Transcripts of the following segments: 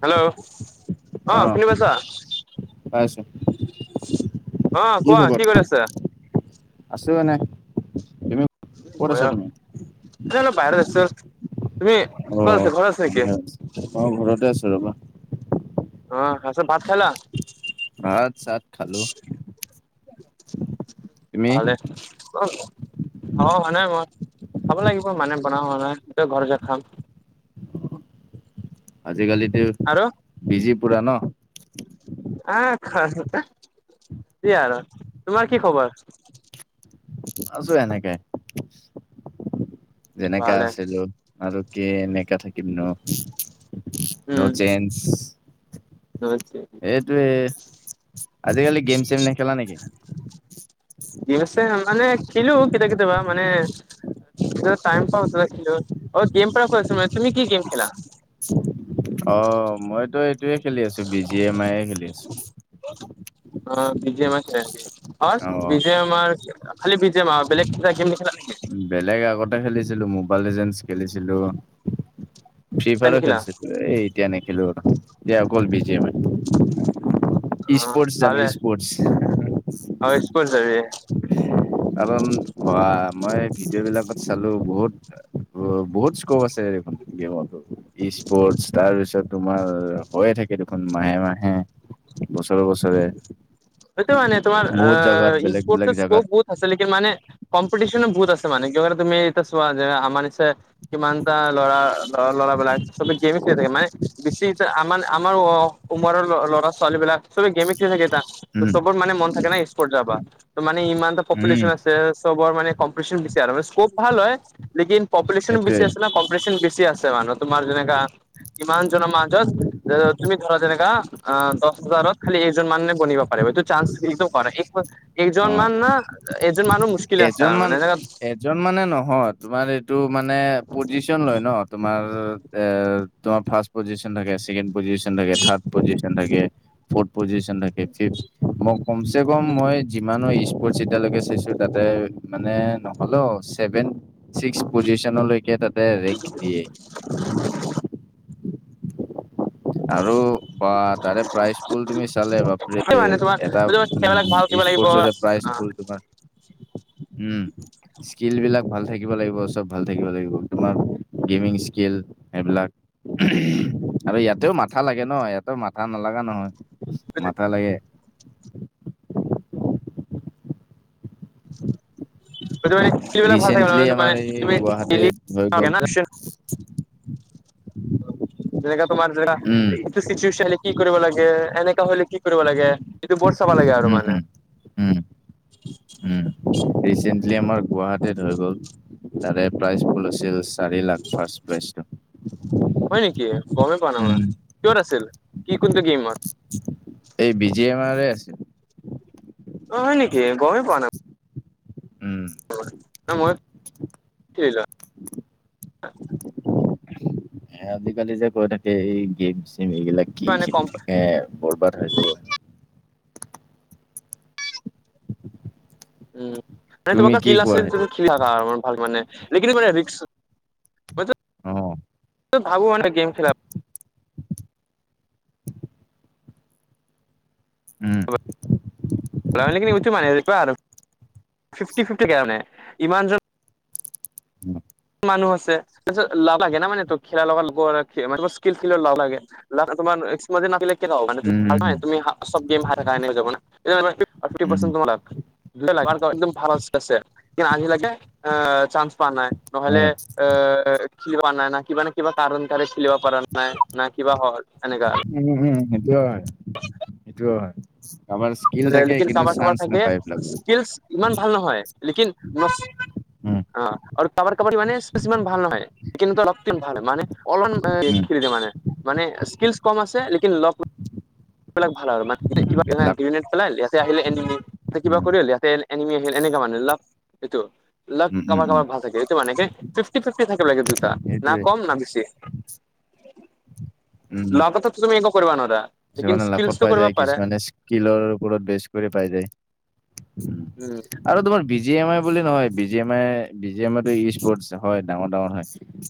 Hello অ', শুনি পাইছা? পাই আছো অ', কোৱা কি কৰি আছা? আছোঁ এনে তুমি? ক'ত ময়ো আছা তুমি? এনে বাহিৰ আছো তুমি কি আছ তুমি কি ঘৰত আছ নেকি। অ', ঘৰতে আছোঁ ৰবা। অহ তাপিছতচ ভাত খালা? ভাত চাত খালোঁ। তুমি? ভালেই। অ', অ', খাৱা হোৱা নাই মই খাব লাগিব বনাও হোৱা নাই ঘৰত যায় খাম। আজিকালিটো আৰু বি জি পুৰা ন। আহ কি আৰু তোমাৰ কি খবৰ? আছো এনেকে যেনেকা ভালে আছিলোঁ। আৰু কে নেকা থাকিম ন ন নো চেঞ্চ। আ্চ [unintelligible] এইটোয়ে আজিকালি গেম চেম নেখেলা নেকি? কি আছে মানে খেলো কেতিয়া কেতিয়াবা মানে কেতিয়াবা টাইম পাও গেম পৰা কৈছো তুমি কি গেম খেলা? অ', মইতো এইটোয়ে খেলি আছোঁ বি জি এম আইয়ে খেলি আছোঁ। অ', বি জি ম আছে অ', বিজেমাৰ খালি বিজে মাৰ আৰু বেলেগ কা গেম নেখেলাে নেকি বেলেগ আগতে খেলিছিলোঁ মোবাইল এজেন খেলিছিলোঁ। ফ্ৰী ফায়াৰো নিখিলা খেলিছে এ এতিয়া নেখেলো আৰু এয়া গল বি জে এম। ই অ', স্পৰ্টছ যাম ই ভালে স্পৰ্টছ [unintelligible] ইছ কৰি যি। কাৰণ অ', মই ভিডিঅ' বিলাকত চালোঁ বহুত বহুত স্কোপ আছে দেখ গেমতো ই স্পৰ্টচ। তাৰপিছত তোমাৰ হৈয়ে থাকে দেখোন মাহে, মাহে বছৰে, বছৰে। সেটো মানে তোমাৰ বহুত জাগাত বেলেগ বেলেগ স্পৰ্টৰ স্কোপ জাগাত বহুত আছিলকে মানে কম্পিটিশনো বহুত আছে মানে কলে তুমি এতিয়া চোৱা যে আমাৰ নি কিমান এটা লৰা লৰা লৰাবিলাক চবে গেম খেলি থাকে মানে বেছি এতিয়া আমাৰ আমাৰ অ ওমৰৰ ল ল'ৰা - ছোৱালীবিলাক চবে গেমে খেল থাকে এটা, ত উম চবৰ মানে মন থাকে ন স্পৰ্ট যাবা, ত মানে ইমানটা উম পপুলেশ্যন আছে তে চবৰ মানে কম্পিটিশন বেছি আৰু মানে স্কপ ভাল হয়। লেকিন পপুলেশ্যনো বেছি সেইটোৱে আছে ন বেছি পপুলেশ্যনো আছে মানে তোমাৰ যেনেকা কিমানজনৰ মাজত য তুমি ধৰা যেনেকা আ দছ হাজাৰত খালি একজন মানুহ গনিব পাৰিব এইটো চান্স সিটো কৰে একদম অ এজনমান না এজন মানুহ মুস্কিলে আছে এজন আৰু মান মানে এনে এজন মানে নহয় তোমাৰ এইটো মানে পজিচন লয় ন তোমাৰ এ তোমাৰ ফাৰ্ষ্ট পজিশন থাকে, ছেকেণ্ড পজিশন থাকে, থাৰ্ড পজিশন থাকে ফৰ্থ পজিশন থাকে, ফিফ মই কমচে কম মই যিমানো স্পৰ্টচ এতিয়ালকে চাইছো তাতে মানে নহ'লও ছেভেন, ছিক্স পজিচনলৈকে তা তে ৰেগ দিয়ে। [inaudible] আৰু বা তাৰে প্ৰাইজ পুল তুমি চালে বাপৰে! মানে তোমাৰ এটা উম সেইবিলাক ভাল কৰিব লাগিব অ স্পৰ্টচৰে প্ৰাইছবোৰ তোমাৰ উম। স্কিলবিলাক ভাল থাকিব লাগিব, চব ভাল থাকিব লাগিব, তোমাৰ গেমিং স্কিল এইবিলাক ওহুম। আৰু ইয়াতেও মাথা লাগে ন, ইয়াতে মাথা নালাগা নহয়, মাথা লাগে। বিলাক ভাল থাকিব ৰিচেন্টলি মানে আমাৰ এই তুমি ডেইলি গুৱাহাটীত হৈ গ'ল। [inaudible] যেনেকা তোমাৰ যেনেকা উম, ইণ্টাৰেষ্ট ইনষ্টিওচন কি কৰিব লাগে? এনেকা হলে কি কৰিব লাগে এইটো বৰ চাব লাগে আৰু হুম মানে হুম। [inaudible] উম, ৰিচেন্টলি আমাৰ গুৱাহাটীত হৈ গ'ল তাৰে প্ৰাইজ পুল আছিল চি চাৰি লাখ ফাৰ্ষ্ট প্রাইজটো হয় নেকি গমেই পোৱা নাই উম। মই কিহত আছিল? কি কোনটো গেমত? এই বি জি এম আৰ এছ। অ হয় নেকি? গমেই পোৱা নাই। উম। তা মই কে যা এ আজিকালি যে কৈ থাকে এই গেম - চেম এইবিলাক কি মানে খেলি কম থাকে বৰবাদ হৈ যাব। উম, নে তুমি তোমালোকৰ কি কিল কোৱা আছিল তো সেইটোত? [unintelligible] অ। [inaudible] ভাবো মানে গেম খেলাত উম। [inaudible] ফিফটি ফিফটিকে মানে ইমানযোৰ [inaudible] মানুহ আছে তাৰপিছত লা লাগে না মানে তোক খেলা লগত লব আৰু [inaudible] মানুহৰ স্কিল ফিলৰ লাভ লাগে। লাখ তোমাৰ এক্স উম, [inaudible] উম, [inaudible] একদম ভাল আ [inaudible] আছে কিন্তু আজিলৈকে আহ চান্স পোৱা নাই। নহলে হয়। অ খিলি প নাই না কিবা নে কিবা কাৰণ কাৰে খিলিব পৰা নাই না কিবা হয় এনেকা। উম হুম সেইটোয় হয়। নি। কোৱা আমাৰ। লেকিন কাৰোবাৰ কাৰোবাৰ থাকে স্কিলচ ইমান ভাল নহয় লেকিন। উম, অ আৰু কাবা -কাবা মানে ছিমান ভাল নহয় কিন্ত ৰক্তম ভাল হয় মানে। অলমান উম, খি দ মানে। মানে স্কিলচ কম আছে। লেকিন লগবলাক ভাল আৰু মান কিবা এ লাক অ এইটেই আহিল এনিমি উম, কিবা কৰি লিহতে এনিমি আহিল এনেককা মানুহে লা এইটো। লাক উম, উম, কাবাৰ উম, কাৰাবাৰ ভাল থাকে এইটো মানে ফিফটি ফিফটি থাকে লাগে দুটা ন সেইটোৱে কম ন বেছি। উম। লগত তুমি এনেকো কৰিবা নোৱাৰা। লেকিন কিছুমানে লাখত স্কিলচটো পাই কৰিব যায় পাৰে কিছুমানে স্কিলৰ ওপৰত বেছ কৰি পাই যায়। উম। আৰু তোমাৰ বি জি এম আই বুলি নহয় B G M I B G M I টো ই স্পৰ্ট হয় ডাঙৰ ডাঙৰ হয়।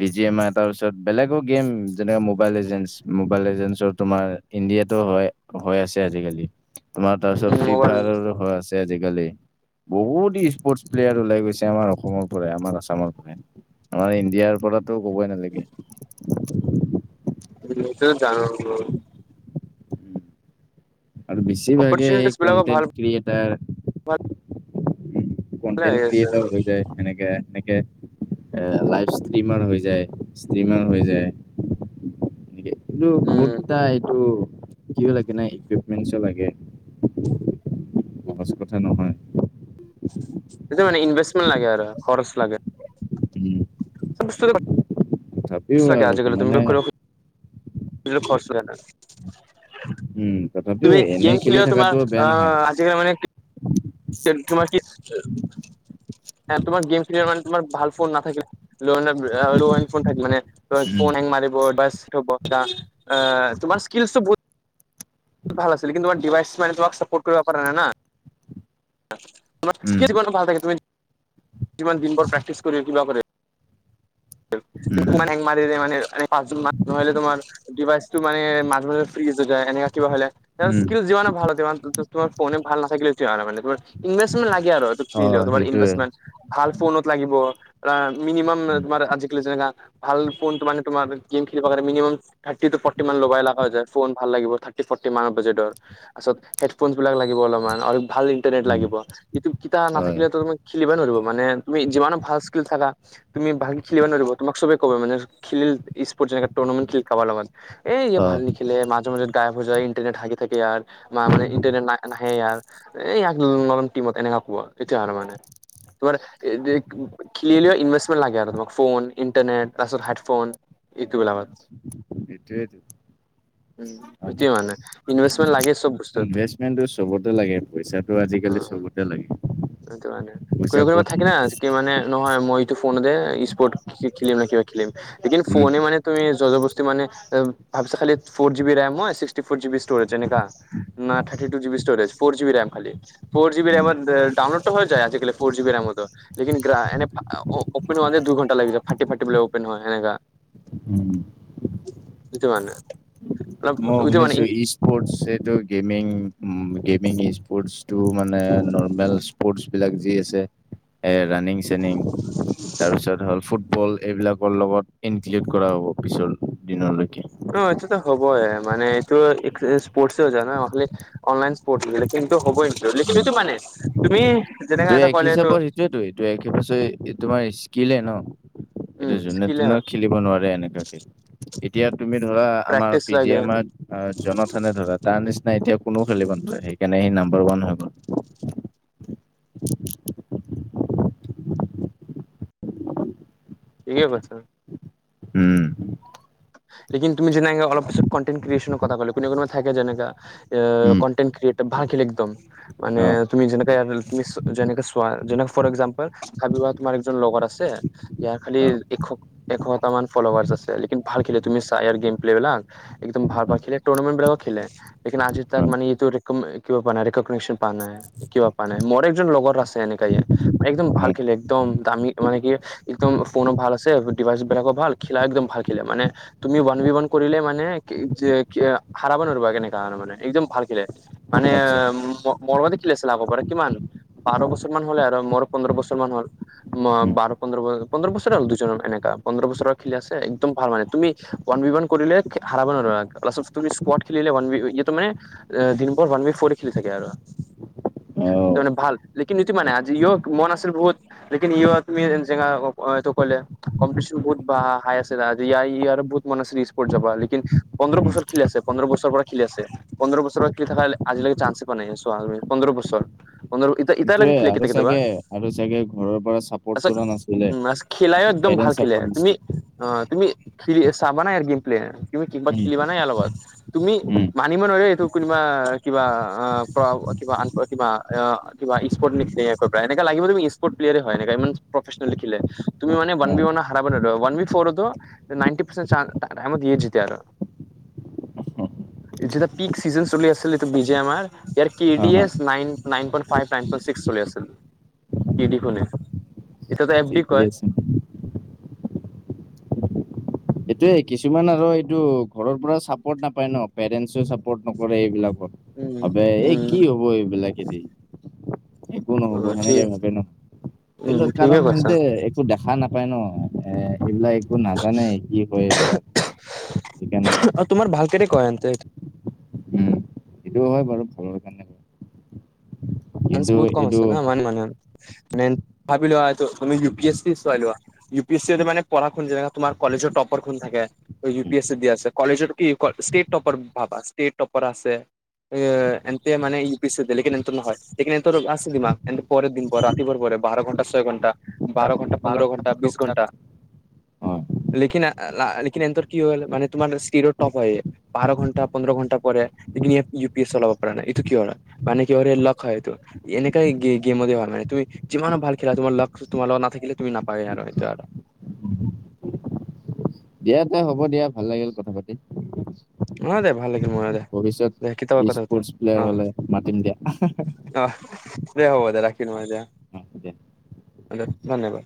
বি জি এম, আই তাৰপিছত বেলেগৰ গেম যেনেকে মোবাইল এজেঞ্চ, মোবাইল এজেঞ্চৰ তোমাৰ। ইণ্ডিয়াতো, হয় হৈ আছে আজিকালি তোমাৰ তাৰপিছত উম ফ্ৰী মোবাইল ফায়াৰো, হৈ আছে। আজিকালি বহুত স্পৰ্টচ প্লেয়াৰ ওলাই গৈছে আমাৰ অসমৰ পৰাই আমাৰ আসামৰ পৰাই। আমাৰ ইণ্ডিয়াৰ, পৰাতো কবই নালাগে। উম জানো ৰ আৰু বেছিভাগে এই অপৰচুনিটিজ বিলাকো ভাল কনটেণ্ট ক্ৰিয়েটাৰ,। ভালে কনটেণ্ট আহি আছে ক্ৰিয়েটৰ হৈ যায় এনেকে। লাই ষ্টিমাৰ হৈ যায় ষ্টমাৰ হৈ যায়। [inaudible] মোৰ উম বতা এইটো। কিও লাগে নাই ইকুইপমেন্টও লাগে সহজ কথা নহয়। সটো মানে ইনভেষ্টমেণ্ট, লাগে আৰু খৰচ লাগে। উম। বস। হিউ আৰু মানে। [unintelligible] লগতো উম, তথাপিও তুমি এনে গেম খেলি তোমাৰ। থকাটো বেয়া নহয়। তেতিয়া মানে। [inaudible] তোমাৰ গেম খেলিল মানে তোমাৰ ভাল ফোন নথাকিল ল ফোন থাকে মানে। দৰ উম, ফোন এ সেং মাৰিব বাব [unintelligible] তোমাৰ স্কিলটো বহুত ভাল আছিল কিন্তু আৰ ডিভাইচ। মানে তোমা চপৰ্ট কৰিব পাৰা নাই না। উম, [inaudible] কিমান দিন বৰ প্ৰে্টিছ কৰি কিবা কৰে। উম, মান মাৰৰে ম পাঁচজন মান নহলে তোমাৰ ডিই। মানে মাজ মাজে ফ্ৰী যায়। এনেকা কিবা হলে উম, স্কিল যিমানে ভাল হয়। তোমাৰোনে ভাল নাথাকিলে হয় ন মানোৰ ইনভেম অ' সেইটোৱে লাগোৰভে। ভাল ফোনত লাগিব মিনিমাম তোমাৰ আজিকালি যেনেকা। ভাল ফোনটো মানে তোমাৰ গেম খেলিব কাৰে মিনিমাম। থাৰ্ট ফটি মান লগাইা যায় ফোন ভাল লাগিব থাৰ্ ফটিানৰ বাজেটৰ। তাৰিছত হেডফোন বিলাক লাগিব অলপমান আৰু ভাল ইন্টাৰনেট উম, লাগিব ই কেইতা হয়। নাথাকিলে তুমি। খেলিব নোৱাৰিব মানে তুমি যিমানো ভাল স্কিল থাকা তুমি ভাল।। খেলিব নোৱাৰব তুমাক চবেই কবমানে খিল স্পৰ্ জেগা খেল খাব ভাল। এই যে ভাল অ', লিখিলে মাজে মাজে গাইফ হৈ যায়। ইটাৰনেট হাকি থাকে ই বা মে ইণ্টাৰনেট নাই নাহে আৰ। এই ইয়াক নলত নিব এতিয়া হ'ল মানে। তোমাৰ খিললে ইনভেষ্টমেণ্ট লাগে আৰু তোমাক। ফোন ইণ্টাৰনেট তাৰপাছত হেডফোন এইটোব লভ হয়। সেইটোৱেইটো। সেইটোৱে মানে ইনভেষ্টমেণ্ট লাগে চব বস্তুটো। সেইটো চবতে লাগে। পইচাটো আজিকালি অ চবতে লাগে। সেইটো মানে পইচা কোনোবা কোনোবাত ক'ত থাকিলা কি মানে। নহয় মইতো ফোনে দে স্পৰ্ট খেলিম ন কিবা খেলিম কিন্তু উম ফোনে মানে। তুমি যজ বস্তি মানে ভাবিছা খাল four GB RAM sixty four GB B storage এনেকা। ন থাৰ্টি জ বি ষ্টৰেজ ফ জি খাল ফ জিব বিৰ ডাউনলোড। হৈ যায় আজিকালি ফৰজি মপ দুঘণ্টা। লাগিছে ফাটি ফাটিবলে অপেন হয় সেনেকা। উম। সেইটো মানে। অলপ মই এইটো মানে শুনিছো ই। সৰ্ এই গেমিং উ গেম ই স্পৰ্টটো মানে নৰ্মেল। স্পৰ্টচ বিলাক যি আছে এ ৰাণিং চেনিং তাৰপিছত হ'ল ফুট। বল এইবিলাকৰ লগত ইনক্লুড কৰা হ'ব পিছৰ দিনলৈকে। অ এইটোতো হবই মানে এইটো স্পৰ্টও যায় ন আপুনি। অনলাইন পঢ়িলে কিন্তু হ'বই নছিলি কিটো মানে তুমি। যেনেকা এইটো এটা এক ক'লে এইটো হিচাপত সেইটোয়েতো এইটো এক হ পাত তোমাৰ স্কিলে ন। উম এইটো যোনে স্কিলে তোনেও হয় খেলিব নোৱাৰে এনেকুৱাকে। এতিয়া তুমি ধৰা আমাৰ প্ৰেক্টিচ পি জি লাগে এম। অ জনথনে ধৰা তাৰ নিচিনা এতিয়া কোননেও খেলিব নোৱাৰে সেইকাৰণে সি নাম্বাৰ ওৱান হৈ গ'ল। [unintelligible] ঠিকেই কৈছা। উম। লকিন তুমি যেনেে অলপ কিছু কনটেট ক্ৰিয়েচনৰ কথা কলে কোনে কোনোা থাকে যেনেকা। উম, কনণ্ট ক্ৰিয়েট ভাল খেলে একদম মান অ', তুমি যেনেকে তুমি। যেনেকে চোৱা যেনেকে ফৰ একজাম্পোল খাবি বা তোমাৰ এজন লগৰ আছে। ইয়াৰ খালি অ', এশ এশ্তাহ মান ফলাৰ আছে লিন ভাল খেলে তুমি চা ইয়াৰ গেম প্লে বিলাক। একদম ভাল ভা অ', খেলে ৰ্নামেট বিলাকো খেলে। লিন আজি ত মান অ', এইটো কি প নাইকশ্যন পোৱা নাই। কিবা প নাই মোৰ একজন লগৰ আছে এনেকাইে একদম ভাল অ', খেলে একদম দামী মানে কি। একদম ফোনো ভাল আছে ডিভাইচ বিলাকো ভাল খেলা একদম ভাল খেে মানে। তুমি বন বিবন কৰিলে মানে হাৰব নোৱাৰবা কেনেকাা মানে একদম ভাল খেলে। মানে আচ্ছা মৰম দেখিলেছিল লাব পাৰ কিমান। বাৰ বছৰ মান হ'লে আৰু মোৰ পোন্ধৰ বছৰ মান হ'ল। ম উম, বাৰ পোন্ধৰ ব পোন্ধৰ বছৰ আৰু দুজন এনেকা পোন্ধৰ বছৰ আৰু খেলি আছে। একদম ভাল মানে তুমি ওৱান বি কৰিলে হাৰাব নোৱাৰিবা খেলে ইটো মানে। এ, দিন পৰ ওৱান উইক ফ'ৰে খেলি থাকে আৰু। অ', তামানে ভাল লেকিন ইটো মানে আজি ইয় মন আছিল বহুত লেকিন ইয় তুমি [unintelligible] ক'লে কম্পিটিচন বহুত বাহা হাইষ্ট [unintelligible] ই ইয় বহুত মান আছিল স্পৰ্ট যাবা লেকিন পন্ধৰ উম। বছৰ খেলি আছে পন্ধৰ বছৰ পৰা খেলি আছে। পন্ধৰ বছৰত খেলি থকা লে আজিলৈকে চান্স পোৱা নাই চোৱা পন্ধৰ বছৰ [unintelligible] সেটোৱে আৰু কেতিয়া কেতিয়াবা চাগে আৰু চাগে ঘৰৰ পৰা চাপৰ্ট তাৰপিছত কৰা নাছিলে। উম খেলাইও একদম ভাল এজন খেলে তুমি [unintelligible] অ', তুমি খেলি চাবা নাই ইয়াৰ গেম প্লেয়াৰ তুমি কিবা উম, খেলিবা নাই ইয়াৰ লগত তুমি উম, মানিব নোৱাৰাৰে এইটো কোনোবা কিবা অ', প্ৰ কিবা আন কিবা অ', [unintelligible] কিবা স্পৰ্ট [unintelligible] এনেকুৱা লাগিবু তুমি স্পৰ্ট প্লেয়াৰে হয় এনেকুৱা ইমান প্ৰফেচনেল দেখিলে তুমি মানে অ', [unintelligible] ফ'ৰটো নাইনটি পাৰ্চেন [unintelligible] আৰু এইটো এটা পিক চিজন চলি আছিল এইটো বিজে আমাৰ ইয়াৰ কে হা, ডি হা S nine nine point five nine point six চলি আছিল। ইডিখোনে এতিয়াতো এফ ডি ঠিকেই কয়। আছে। এইটোয়ে কিছুমান আৰু এইটো ঘৰৰ পৰা চাপৰ্ট নাপায় ন পেৰেন্টচো চাপৰ্ট নকৰে এইবিলাক উম [unintelligible] আবে এই উম কি হ'ব এইবিলাকেদি একো অ নহ'ব সেনেকে ঠিক ভাবে ন উম কিন্তু ঠিকে কাৰণ কৈছা। সেহেনতে একো দেখা নাপায় ন এ, এইবিলাক একো নাজানাই কি হয় এইবিলাক। [unintelligible] নাই। ত' তোমাৰ ভাল কেনে কয় আন্তে সেইটো হয় বাৰু ভালৰ কাৰণে হয়। চান্স কিন্তু বহুত কম এইটো আছে ন মান মানে উম, মানে ভাবি লোৱা তু তুমি ইউ পি এছ চি চাই লোৱা ইউ পি এছ চি হ'লে মানে পঢ়াখন যেনেকে তোমাৰ কলেজৰ টপাৰ খন থাকে। ত' ইউ পি এছ চি দিয়া আছে কলেজত কি ক ষ্টেট টপাৰ ভাবা ষ্টেট টপাৰ আছে। এ, এন্তে মানে ইউ পিছে দেলে লেকেন এন্তটো নহয়। এইখনে তোৰ আছে দিমা এণ্ড পৰ [unintelligible] বাৰ ঘণ্টা ছয় ঘণ্টা বাৰ ঘণ পন্ধৰ ঘণ্টা বিছ ঘণ্টা হয়। লেকিন [unintelligible] লেকিন এনন্তৰ কি হৈল মানে তোমাৰ ষ্টিৰৰ টপ হয়ে বাৰ ঘণ্টা, পন্ধৰ ঘণ্টা পঢ়ে লেকিন ইয়ে ইউ পি এছ চলাব পৰা নাই এইটো কিহৰ হয় মানে কি [unintelligible] লগ হয়টো এনেকাই গে-গেমতে হোৱা নাই তুই যিমানে ভাল খেলা তোমাৰ লখ তোমাৰ লগত নাথাকিলে তুমি নাপায় আৰু সেটো আৰু দিয়া দিয়া হ'ব দিয়া, ভাল লাগিল কথা পাতি। অ', দে ভাল লাগে ভৱিষ্যত ইচ স্পৰ্টচ প্লেয়াৰ অ হ'লে মাতিম দিয়া [unintelligible] অ', দে হ'ব দে ৰাখিছোঁ মই দিয়া। এতিয়া। [unintelligible] ধন্যবাদ।